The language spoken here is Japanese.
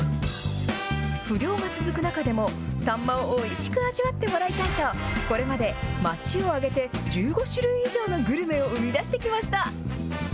不漁が続く中でも、サンマをおいしく味わってもらいたいと、これまで街を挙げて１５種類以上のグルメを生み出してきました。